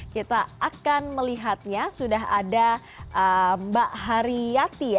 kita akan melihatnya sudah ada mbak haryati